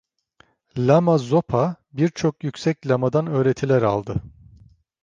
Lama Zopa birçok yüksek lamadan öğretiler aldı.